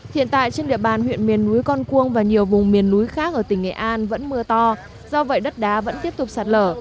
hiện tại trên địa bàn huyện miền núi con cuông và nhiều vùng miền núi khác ở tỉnh nghệ an vẫn mưa to do vậy đất đá vẫn tiếp tục sạt lở